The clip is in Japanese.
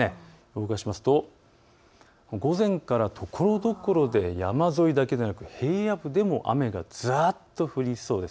動かしますと午前からところどころで山沿いだけでなく平野部でも雨がざっと降りそうです。